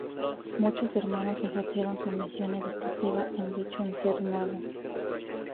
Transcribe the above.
Muchos Hermanos ejercieron su misión educativa en dicho internado.